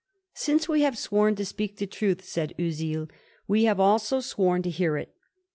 "Since we have sworn to speak the truth," said Oisille, "we have also sworn to hear it.